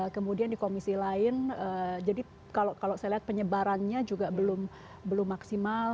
kemudian di komisi lain jadi kalau saya lihat penyebarannya juga belum maksimal